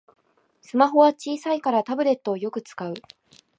スマホは小さいからタブレットをよく使う